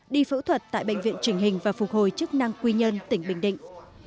đi phẫu thuật tại bệnh viện trình hình và phục hồi chức năng quy nhơn tỉnh bình định